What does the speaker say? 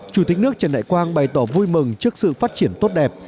chủ tịch nước trần đại quang bày tỏ vui mừng trước sự phát triển tốt đẹp